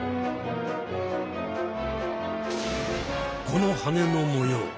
このはねの模様